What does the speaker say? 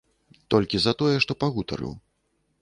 Толькі за тое, што пагутарыў.